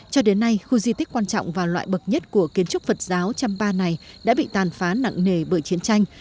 cho đến nay khu di tích quan trọng và loại bậc nhất của kiến trúc phật giáo trăm ba này đã bị tàn phá nặng nề bởi chiến tranh